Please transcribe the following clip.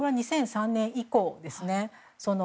２００３年以降ですね。